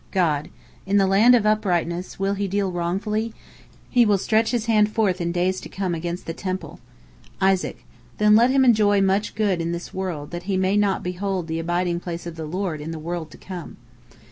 God: "In the land of uprightness will he deal wrongfully, he will stretch his hand forth in days to come against the Temple." Isaac: "Then let him enjoy much good in this world, that he may not behold the abiding place of the Lord in the world to come."